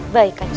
baik kan jenratu